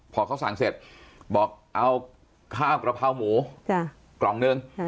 พอเขาสั่งเสร็จบอกเอากระพาวหมูกล่องหนึ่ง